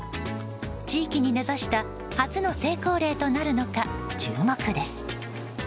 地域に根差した初の成功例となるのか注目です。